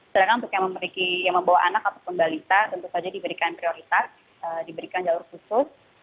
sedangkan untuk yang membawa anak ataupun balita tentu saja diberikan prioritas diberikan jalur khusus